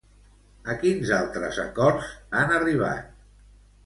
A quins altres acords han arribat?